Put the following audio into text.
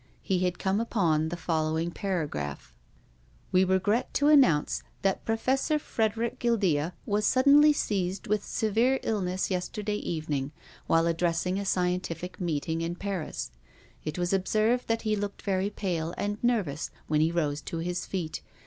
He had come upon the fol lowing paragraph :" We regret to announce that Professor Fred eric Guildea was suddenly seized with severe ill ness yesterday evening while addressing a scien tific meeting in Paris. It was observed that he looked very pale and nervous when he rose to his feet.